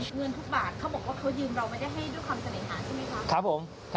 เงินทุกบาทเขาบอกว่าเขายืมเราไม่ได้ให้ด้วยความเสน่หาใช่ไหมคะ